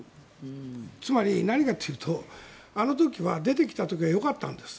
つまり何かというとあの時は出てきた時はよかったんです。